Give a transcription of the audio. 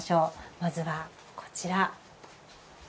まずは、こちら。